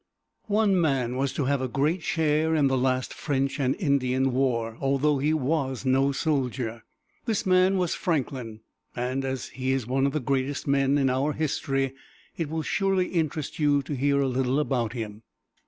One man was to have a great share in the last French and Indian war, although he was no soldier. This man was Franklin, and as he is one of the greatest men in our history, it will surely interest you to hear a little about him.